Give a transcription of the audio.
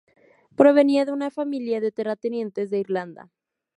Provenía de una familia de terratenientes de Irlanda.